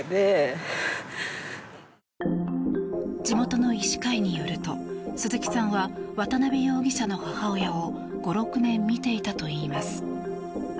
地元の医師会によると鈴木さんは渡邊容疑者の母親を５６年診ていたといいます。